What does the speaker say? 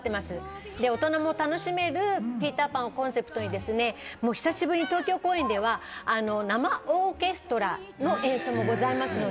大人も楽しめる『ピーターパン』をコンセプトに、久しぶりに東京公演では、生オーケストラの演奏もございます。